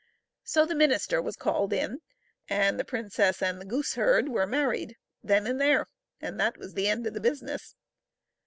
So the minister was called in, and the princess and the gooseherd were married then and there, and that was the end of the business.